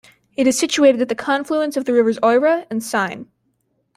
It is situated at the confluence of the rivers Eure and Seine.